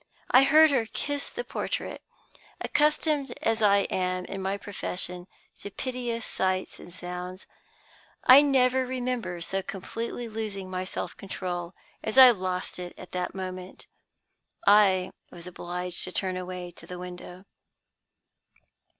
I heard her kiss the portrait. Accustomed as I am in my profession to piteous sights and sounds, I never remember so completely losing my self control as I lost it at that moment. I was obliged to turn away to the window.